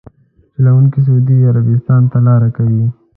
چلونکي سعودي عربستان ته لاره کوي.